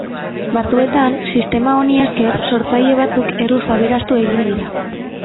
Batzuetan, sistema honi esker, sortzaile batzuk erruz aberastu egin dira.